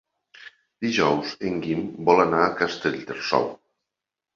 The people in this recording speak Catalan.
Dijous en Guim vol anar a Castellterçol.